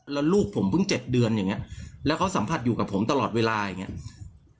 แล้วลูกผมเพิ่งเจ็ดเดือนอย่างเงี้ยแล้วเขาสัมผัสอยู่กับผมตลอดเวลาอย่างเงี้ย